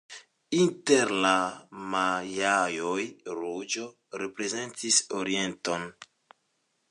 Inter la majaoj ruĝo reprezentis orienton.